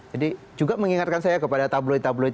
jadi juga mengingatkan saya kepada tabloid tabloid